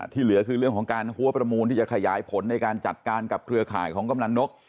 เหลือคือเรื่องของการหัวประมูลที่จะขยายผลในการจัดการกับเครือข่ายของกำลังนก